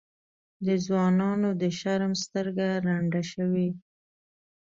د ځوانانو د شرم سترګه ړنده شوې.